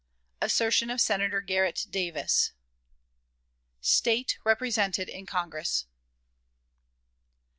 Assertion of Senator Garret Davis. State represented in Congress.